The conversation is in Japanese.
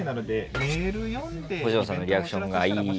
星野さんのリアクションがいい